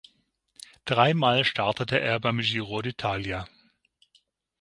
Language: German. Dreimal startete er beim Giro d’Italia.